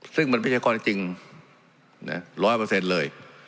ซึ่งมันไม่ใช่ข้อจริงจริงเนี่ยร้อยเปอร์เซ็นต์เลย